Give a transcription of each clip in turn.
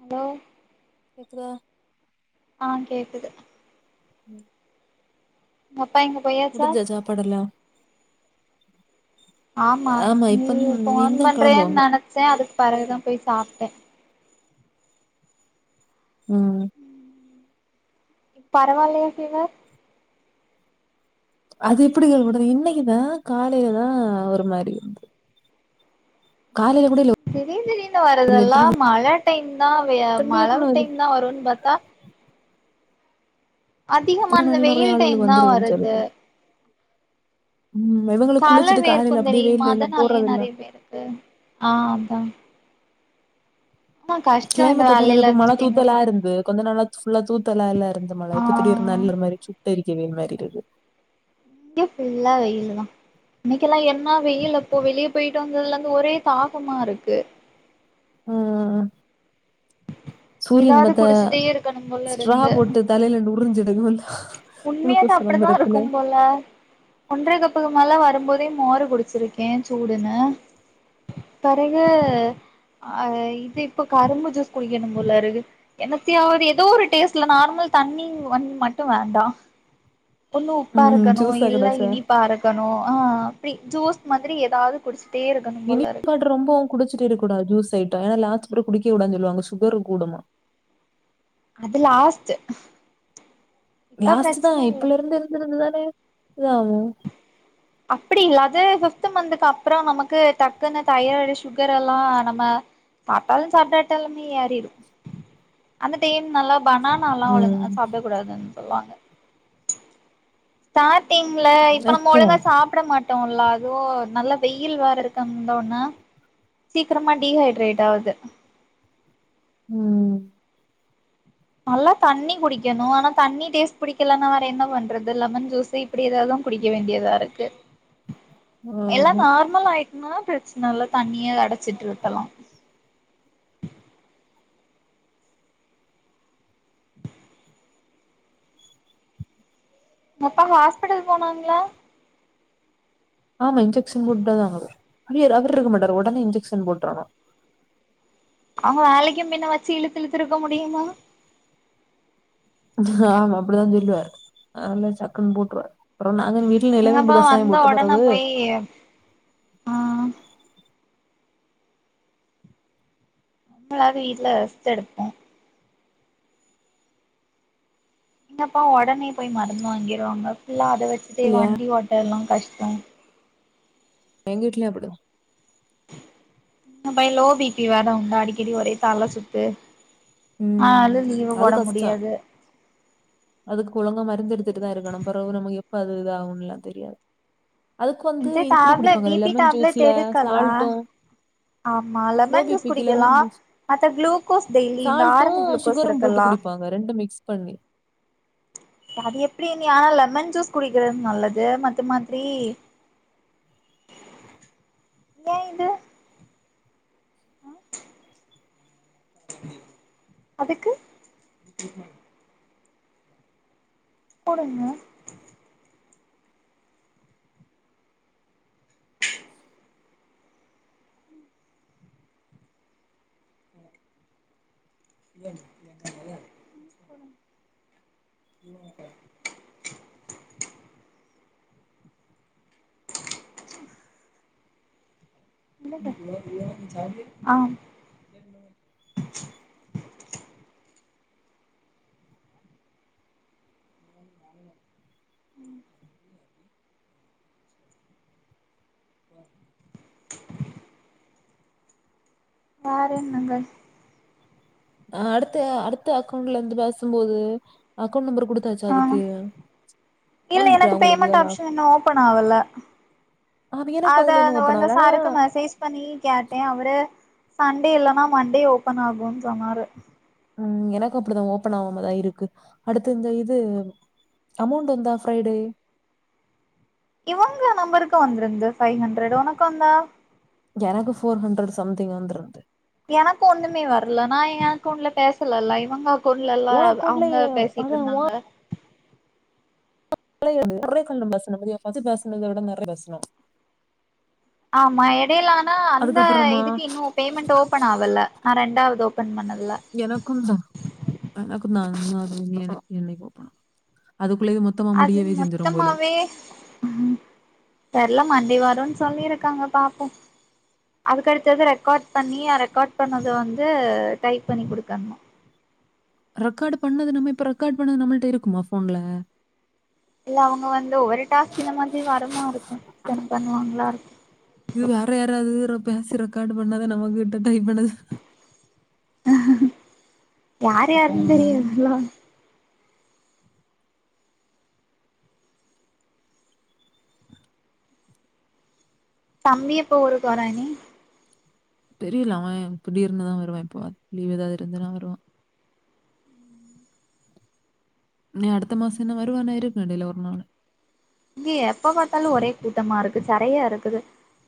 Hello அப்பிடியா அ கேக்குது ம் உங் அப்பா எங்க பொயாச்சா தொடலாம் ஆமா நீ ஃபோன் பண்றியேன் கெளம்புவாங்க நெனச்ச அதுக்கு பறகுதா போய் சாப்ட்ட ம் பரவால்லயா ஃபீவர் அது எப்புடி கேள்விப்பட்ட இன்னைக்குதா காலையிலதா ஒரு மாரி காலைல கூட லோ திடீன் திடீனு வரதெல்லாம் மழ டைம் தா மழ திடீர்னு டைம் தா வருன் பாத்தா அதிகமா அந்த நெறைய வெயில் ஆளுக டைம் தா வந்துருதுன்னு வருது சொல்லிட்டு ம் மெதங்க தல வேர்க்கும் தெரியுமா அதனாலயே நெறைய பேருக்கு ஆமா கஷ்டோ இந்த கிளைமேட் வந்துல வேலையில இப்ப மழ இருந்துட்டு தூத்தலா எங்கப்பா இருந்து கொஞ்ச நல்லா ஃபுல்லா தூத்தலா எல்லா இருந்த ஆ மழ இப்ப தீடிர் நல்ல ஒரு மாரி சுட்டெரிக்கவே ஒரு மாரிருக்கு ங்கியு ஃபுல்லா வெயிலுதா இன்னைக்கெல்லா என்னா வெயில் அப்போ வெளியே போயிட்டு வந்ததுல இருந்து ஒரே தாகமா இருக்கு ம் ம் ம் சூரியன் ஏதாவது மொத்த குடிச்சிட்டே இருக்கணும் போல ஸ்ட்ரா இருந்து போட்டு தலையில நுருஞ்சு எடுக்கனுன்னா உண்மையா தா அப்டிதா இருக்கும் போல ஒன்ற கப்புக்கு மேல வரும்போதே மோரு குடிச்சிருக்கே சூடுன்னு பெறகு அ இது இப்ப கரும்பு ஜூஸ் குடிக்கணும் போலருக்கு என்னத்தியாவ்து எதோ ஒரு டேஸ்ட்ல நார்மல் தண்ணி வண்ணி மட்டும் வேண்டா ஒண்ணு உப்பா ம் இருக்கணு ஜூஸா இல்ல கெடச்சா இனிப்பா இருக் க்கணும் அ அப்டி ஜீஸ் மாதிரி எதாவ்து குடிஷ்ட்டே இருக் இனிப்பு [inaudible] ரொம்பவும் குடிச்சுட்டு விட கூடாதுனு சொல்ட்ட லாஸ்ட் வர குடிக்ககூடாது சொல்வாங்க சுகரு கூடுமா அது லாஸ்ட்டு லாஸ்ட்டு தா இப்பல இருந்து இருந்திருந்ததா இதாவு அப்படி இல்லாது பிப்து மந்த்துக்கு அப்புறம் நமக்கு தக்குனு தைராய்டு சுகர் எல்லா நம்ம பட்டாலும் சாப்ட்டாட்டாலுமே எரிடும் அந்த டைம் நல்லா பனான் நா லா ஒழுங்க ம். சாப்ட கூடாதுன் சொல்வாங்க ஸ்டார்ட்டிங்ள இப்ப நம்ப ஒழுங்கா அதான். சாப் ப்ட மாட்டோ அல்ல அதுவோ நல்ல வெயில் வேற இருக்கந்தான சீக்கரமா டிஹைட்ரேட் ஆவுது ம் நல்லா தண்ணி குடிக்கணு ஆனா தண்ணி டேஸ்ட் புடிக்கலன்னா வேற என்ன பண்றது லெமன் ஜூஸு அப்டி ஏதாவதுதா குடிக்க வேண்டியதா இருக்கு எல்லா ஆமா. நார்மல் ஆய்ட்டுன்னா பிரச்சன இல்ல தண்ணியே அடைச்சிட்டு இருக்கலா ஒங் அப்பாக்கு ஹாஸ்பிட்டல் போனாங்களா ஆமா இன்ஜெக்ஷன் போட்டுட்டு தா வரு அவர் இருக்க மாட்டார் உடனே இன்ஜெக்ஷன் போட்றணு அவங்க வேலைக்கு பின்ன வச்சு இழுத்துழுத்து இருக்க முடியுமா ஆமா அப்டிதா சொல்வாரு அதனால சக்கன்னு போட்ருவார் அப்றோ நாங்க வீட்டுல நிலவேம்பு கசாயோ போட்ட பிறவு ஏயா ஆ வேல இல்ல ரெஸ்ட் எடுப்போ என்னப்பா உடனே போய் மருந்து வாங்கிருவாங்க ஃபுல்லா அத வச்சுட்டு இல்லையா வண்டி ஓட்ட எல்லா கஷ்டோ எங்க வீட்லயு அப்டிதா [unintelligible] லோ பிபி வேற உண்டா அடிக்கடி ஒரே தல சுத்து ம். ஆளு லீவு அது போட கஷ்டம். முடியாது அதுக்கு ஒழங்கா மருந்து எடுத்துட்டு தா இருக்கணு பிறவு நமக்கு எப்ப அது இது ஆகும்ல்லா தெரியாது அதுக்கு வந்து இந்த இது இப்படி டேப்லெட் குடிப்பாங்கல்ல பிபி லெமன் டேப்லெட் ஜூஸ்ல எடுக்கல்லா சால்ட்டும் ஆமா லோ லெமன் ஜூஸ் பிபிக்கு குடிக்கலா லெமன் மத்த குளுூகோஸ் டெய்லி இந்த ஆரஞ்சு குளுூகோஸ் இருக்குல்லா இந்த ரெண்டும் மிக்ஸ் பண்ணி அது எப்டிங்க ஆனா லெமன் ஜூஸ் குடிக்கிறது நல்லது மத்து மாதிரி ஏ இது அதுக்கு போடுங்க ஆ [inaudible] பாரு என்னங்க அடுத்த அடுத்த அக்கௌண்ட்ல இருந்து பேசும்போது அக்கௌண்ட் நம்பர் குடு டுதாச்சா ஆ அதுக்கு இல்ல வந்துட்டா எனக்கு உங்களுக்கு பேமெண்ட் அதான் ஆப்ஷன் இன்னு ஓபன் ஆகல ஆ, ஆ, எனக்கும் அத அதுல இன்னும் அந்த ஓப்பன் வந்த ஆகல ஆனா சாருக்கு மெசேஜ் பண்ணி கேட்டே அவரு சண்டே இல்லன்னா மண்டே ஓபன் ஆகுன் சொன்னாரு ம் எனக்கு அப்டிதா ஓபன் ஆவாமதா இருக்கு அடுத்து இந்த இது அமௌண்ட் வந்தா ஃப்ரைடே இவங்க நம்பருக்கு வந்திருந்தந்து ஃபைவ் ஹண்ட்ரட் உனக்கு வந்தா எனக்கு ஃபோர் ஹண்ட்ரட் சம்திங் வந்துருந்து எனக்கு ஒண்ணுமே வரல நா ஏ அக்கௌண்டுல பேசலல்ல இவங்கோ பொருள்லல்லா உன் அக்கௌண்ட்ல அவங்க பேசிட்டு அதான் இருந்தாங்க [unintelligible] ஃபரஸ்ட் பேசினத விட நெறைய பேசனோ ஆமா எடையில ஆனா அந்த அதுக்கப்புறமா இதுக்கு இன்னு பேமெண்ட் ஓப்பன் ஆவல நா ரெண்டாவது ஓப்பன் பண்ணதுல்ல எனக்குந்தா எனக்குந்தா அது வந்து எனக்கு என்னைக்கு ஓபன் ஆகு அதுக்குள்ளயு மொத் அது மொத்தமாவே தெர்ல மண்டே வருன்னு சொல்லிருக்காங்க பாப்போ அதுக்கடுத்தது ரெக்கார்ட் பண்ணி ரெக்கார்ட் பண்ணத வந்து டைப் பண்ணி குடுக்கணு ரெக்கார்டு பண்ணது நம்ம இப்ப ரெக்கார்ட் பண்ணது நம்மல்ட்ட இருக்குமா போன்ல இல்ல அவங்க வந்து ஒவ்வொரு டாஸ்க் இந்த மாதிரி வருரமா இருக்கும் ஸ்பெண்ட் பண்ணுவாங்களா இருக்கு இது வேற யாராவது பேசி ரெக்கார்டு பண்ணத நமகிட்ட டைப் பண்ணதா யாரு அப்படி யாருந் பண்ணாலும் தெரிது [unintelligible] தம்பி எப்ப ஊருக்கு வரா அண்ணி தெரியல அவ இப்புடீர்னுதா வருவா இப்போ லீவ் ஏதாவது இருந்துன்னா வருவா நீ அடுத்த மாசோ என்ன வருவானே இருக்கமாட்டேல்ல ஒரு நாள் இங்க எப்ப பாத்தாலு ஒரே கூட்டமா இருக்கு செறையா இருக்குது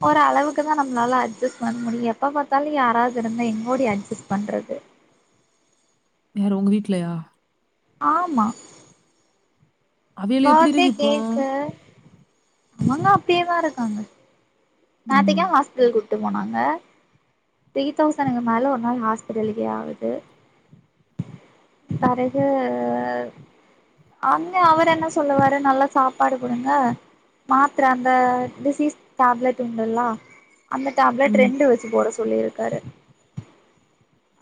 ஒரளவுக்கு தா நம்ளால அட்ஜஸ்ட் பண்ண முடியு எப்ப பாத்தாலு யாராவது இருந்தா எங் ஓடி அட்ஜஸ்ட் பண்றது யாரு உங்க வீட்லயா ஆமா அவியல் எப்படி பர்த்டே இருக்கு இப்போ? கேக்கு அவங்க அப்டியேதா இருக்காங்க நேத்திக் ம். ஏ ஹாஸ்பிட்டல் கூட்டு போனாங்க த்ரீ தௌசனுக்கு மேல ஒரு நாள் ஹாஸ்பிட்டலுக்கே ஆகுது பரகு அங்க அவரென்ன சொல்லுவாரு நல்லா சாப்பாடு குடுங்க மாத்ர அந்த டிசீஸ் டேப்லெட் உண்டல்லா அந்த டேப்லெட் ம். ரெண்டு வெச்சு போட சொல்லியிருக்காரு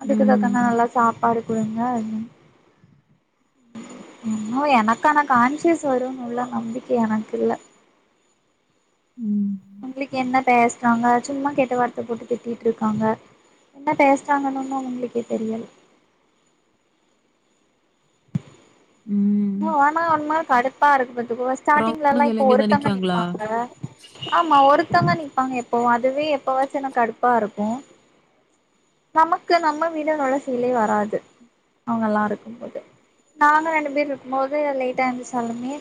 அதுக்கு தாக்கான்னா ம். நல்லா சாப்பாடு குடுங்கன்ன இன்னு எனக்கான கான்சியஸ் வருனு உள்ள நம்பிக்க எனக்கு இல்ல ம் உங்களுக்கு என்ன பேசுறாங்க சும்மா கெட்ட வார்த்த போட்டு திட்டிட்டு இருக்காங்க என்ன பேசுறாங்கன்னு ஒன்னு அவங்களுக்கே தெரியல ம் ஒனா ஒன்னா கடுப்பா இருக்குதுக்கு அப்புறம் ஸ்டார்டிங்ல எல்லா அவனுங்க இப்போ எல்லாம் இங்க தான் ஒருத்தவங்க நிக்காங்களா? நிப்பாங்க ஆமா ஒருத்தவங்க நிப்பாங்க எப்பவு அதுவே எப்பவாது எனக்கு கடுப்பா இருக்கு நமக்கு நம்ம வீடுனோட ஃபீலே வராது அவங்கல்லா இருக்கும்போது நாங்க ரெண்டு பேரு இருக்கும்போது லேட்டா எந்துச்சாலுமே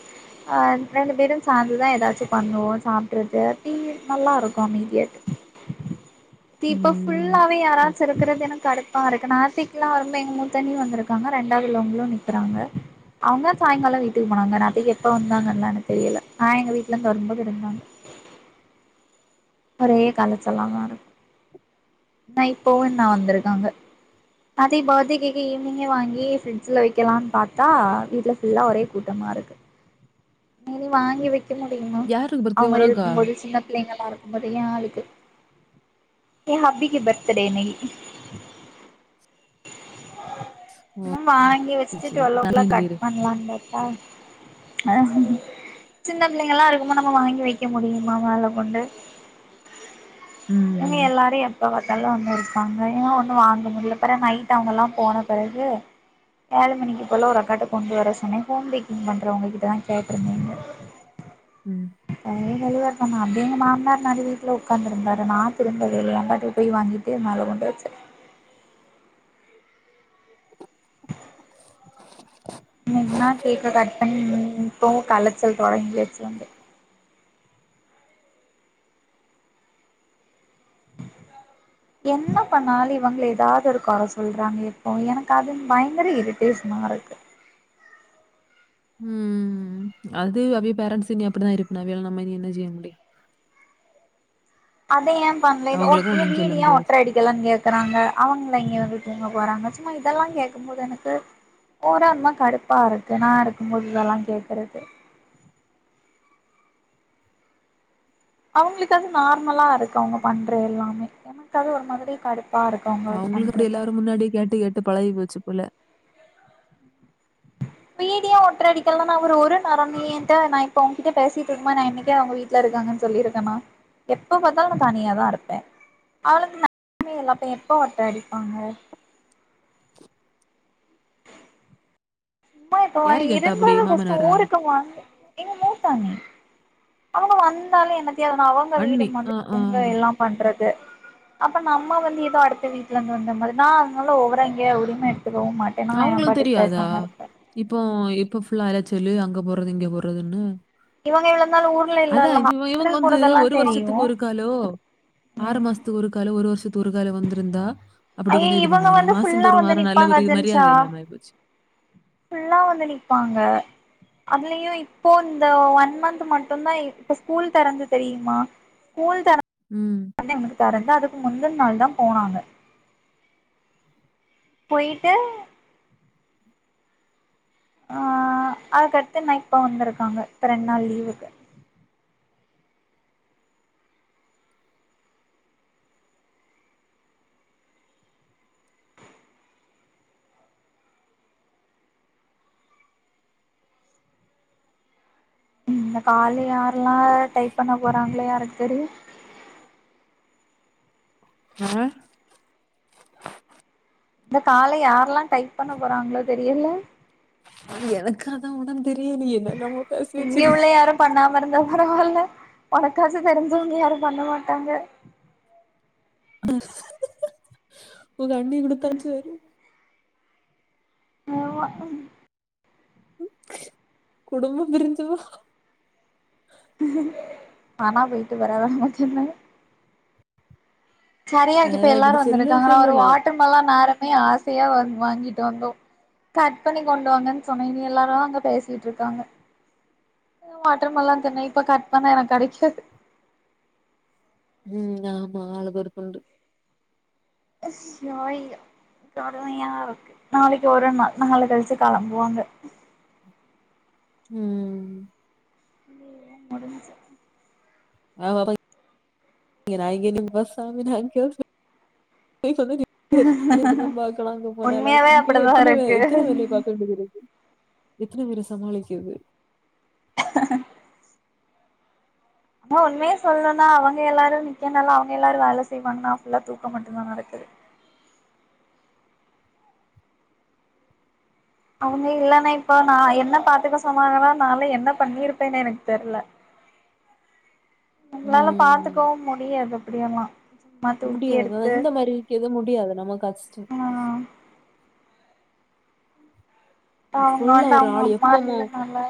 ரெண்டு பேரு சாந்துதா ஏதாச்சு பண்ணுவோ சாப்புட்றது அப்டி நல்லாயிருக்கு அமைதியாட்டு் தீப்பா ம். ஃபுல்லாவே ம். யாராச்சு இருக்கிறது எனக் கடுப்பா இருக்குது நாத்திக்குல்லா வரும்ப எங் மூதண்ணி வந்துருக்காங்க ரெண்டாவது உள்ளவங்களு நிக் ப்புறாங்க அவங்க சாயங்கால வீட்டுக்கு போனாங்க ராத்திரிக்கு எப்போ வந்தாங்கன்லா எனுக் தெரியல நா எங்க வீட்டுல இருந்துரும்போது இருந்தாங்க ஒரே காலச்சல்லாமா இருக்கு ந இப்போ என்ன வந்திருக்காங்க அதயு பத்டே கேக்க ஈவினிங்கே வாங்கி ஃப்ரிட்ஜில்ல வெக்கலான் பாத்தா வீட்டில ஃபுல்லாக ஒரே கூட்டமா இருக் இனி வாங்கி வெக்க முடியுமா யாருக்கு பர்த்டே அவங்க உனக்கா? இருக்கும்போது சின்ன பிள்ளைங்களா இருக்கு யெ ஆளுக்கு எ ஹபிக்கு பர்த்தடே இன்னைக்கி னு வாங்கி சரி, வெச்சுட்டு சரி. டுவெல் ஓ நானே கிளாக் கட் சொல்லிடு. பண்லாந்தாருக் ப்பா சின்ன பிள்ளைங்கெல்லா இருக்கும்போத் நம்ம வாங்கி வெய்க்க முடியுமா மேல கொண்டு ம் இவங்க ம். எல்லாரு எப்ப பாத்தாலு வந்து இருப்பாங்க எது ஒன்னு வாங்க முடியல ப்பற நைட் அவுங்கல்லா போன பிறகு ஏழு மணிக்கு போல ஒரு அக்காட்ட கொண்டு வர சொன்னே ஹோம் பேக்கிங் பண்றவங்ககிட்டதா கேட்டுருந்தே இங்க [inaudible] ம் அ [unintelligible] அப்டியெங்க மாமனார் முன்னாடி வீட்டல உக்காந்துருந்தாரு நா திரும்பவேல்ல [unintelligible] போய் வாங்கிட்டு மேல கொண்டு வெச்சே இட் இன்னைக்கின்னா கேக்க கட் பண்ணி [unintelligible] இப்பவு கலச்சல் தொடங்கியாச்சி வந்து என்ன பண்ணாலு இவங்கள எதாவ்து ஒரு கொற சொல்றாங்க இப்போ எனக்கு அது பயங்கர எரி ஃபேஸ் மாறட்டு ம் அது அவிய பேரன்ண்ட்ஸ் இன்னி அப்டித்தா இருப்ப அவியல நம்ம இனி நம்ம என்ன செய்ய முடியு அத ஏ பண்ல இது ஓட் அவங்களுக்கும் ஒண்ணும் சொல்ல வீடு ஏ முடியாது. ஒட்ர அடி இதெல்லா கேக்கறாங்க அவுங்கள இங்க வந்து தூங்க போறாங்க சும்மா இதெல்லா கேக்கும் போது எனக்கு போறோன்னா கடுப்பா வருது நா இருக்கும்போது இதெல்லா கேக்கறது அவங்களுக்கு அது நார்மலா இருக்கு அவங்க பண்ற எல்லாமே எனக்கு அது ஒரு மாரி கடுப்பு பாருக்கும் அவுங்களுக்கு அப்டி எல்லாரு முன்னாடி கேட்டு கேட்டு பழகி போச்சி போல வீடு ஏ ஒட்ர அடிக்கல்லானு அவரு ஒரு நேரம் நீ என்ட்ட நா இப்ப உங்ககிட்ட பேசிட்ருக்குபோ நா என்னைக்க உங்க வீட் விட்ல இருக்காங்கன் சொல்லிருக்கே நா எப்ப பாத்தாலு நா தனியா தா இருப்பே அவளுக் நானு இல்ல எப்ப [unintelligible] அடிப்பாங்க ம்மா இப்ப யாரு கேட்டா அப்படி? இருந்தது ஃபர்ஸ்ட்டு மாமனாரா? ஊருக்கு வாங்க எங்க மூத்த அண்ணி அவுங்க வந்தாலு என்னத்தையாது ஒன்னு அவுங்க வீடு அண்ணி. மாரி ஆ, ஆ. எங்க எல்லாம் பண்றது அப்போ நம்ம வந்து எதோ அடுத்த வீட்லருந்து வந்த மாரி நா அதனால ஒவரா இங்கே உரிம எடுத்துக்கவு மாட்டே ஏன்னா எம் அவங்களுக்கு பாட்டுக்கு தெரியாதா? பேசம இரு இப்போ இப்ப ஃபுல்லா வர சொல்லு அங்க போறது இங்க போறதுன்னு இவங்க விழுந்தாலும் ஊர்ல அதா இல்லல்ல இது இவுங்க ஹாஸ்பிட்டல் வந்து போறதெல்லா ஒரு தெரியு வருஷத்துக்கு ஒரு காலோ ஆறு மாசத்துக்கு ஒரு காலோ ஒரு வருஷத்துக்கு ஒரு காலோ வந்திருந்தா அப்படி ஐய கொஞ்சோ இது இவங்க பண்ணணு வந்து ஃபுல்லா மாசந்தோரு வந்து வர நல்ல நிப்பாங்க ஒரு அஜென்ஷா மரியாதை இல்லாமா ஆயிபோச்சி ஃபுல்லா வந்து நிப்பாங்க அதுலையு இப்போ இந்த ஒன் மந்த் மட்டுந்தா இப்ப ஸ்கூல் தெறந்து தெரியுமா ஸ்கூல் தெறந் ம் [unintelligible] உனக்கு தரன் தா அதுக்கு முந்தன நாள் தா போனாங்க போய்ட்டு ஆ அதுக்கடுத்து நேத்தா வந்திருக்காங்க இப்ப ரெண்டு நாள் லீவுக்கு இந்த கால யாரெல்லா டைப் பண்ண போறாங்களோ யாருக்கு தெரியு ஆ இந்த கால யாரெல்லா டைப் பண்ண போறாங்களோ தெரியல எனக்கு அதா ஒண்ணு தெரியலையே என்னென்னமோ பேசி வெச்சி இங்க உள்ள யாரும் பண்ணாம இருந்தா பரவால்ல பணக்காசு தெரிஞ்சவங்க யாரு பண்ண மாட்டாங்க உங்க அண்ணி குடுத்தாச்சி வரு ஆமா ம் குடும்போ பிரிஞ்சி போ நானா போயிட்டு வரவே மாட்டேனாங்க சரியா ஆ இருக்கு இப்ப எல்லாரு இப்டி சொல்லு வந்திருக்காங்க நா ஒரு சொல்லுலா வாட்டர்மிலன் நேரமே ஆசையா வந் வாங்கிட்டு வந்தோம் கட் பண்ணி கொண்டு வாங்கன் சொன்னே இனி எல்லாரு அங்க பேசிட்ருக்காங்க வாட்டர்மிலன் தின்னே இப்ப கட் பண்ணா எனக்கு கெடைக்காது ம் ஆமா ஆளுக்கு ஒரு துண்டு அய்யோ [unintelligible] நாளைக்கி ஒரு நாள் நாள கழிச்சி களம்புவாங்க ம் முடிஞ்சி [unintelligible] [unintelligible] பாக்கலாம்ங்க போனால உண்மையாவே இங்கயே அப்படிதான் எத்தன வே எத்தன இருக்கு வேலைய பாக்க வேண்டியது இருக்கு எத்தன பேர சமாளிக்கிறது [unintelligible] உண்மய சொல்லும்னா அவங்க எல்லாரு நிக்கனால அவங்க எல்லாரு வேல செய்வாங்கன்னா ஃபுல்லா தூக்க மட்டுதா நடக்குது அவங்க இல்லன்னா இப்போ நா என்ன பாத்துக்க சொன்னாங்கனா நான்லா என்ன பண்ணிருப்பேன்னு எனக்கு தெர்ல நம்மளால ம் பாத்துக்கவு முடியாது அப்டியெல்லா முடியாது அந்த மாரி இருக்க எதுவு முடியாது நம்ம கஷ்டோ ஆ அவுங்க ஃபுல்லா வந்து ஒரு அவுங்க ஆள் அம்மா எப்பமோ இல்லனால